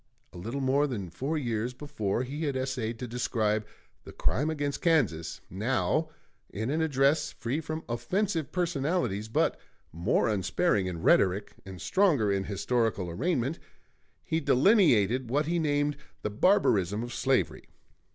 A little more than four years before, he had essayed to describe "The Crime against Kansas"; now, in an address free from offensive personalities but more unsparing in rhetoric and stronger in historical arraignment, he delineated what he named the "Barbarism of Slavery."